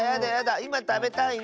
いまたべたいの。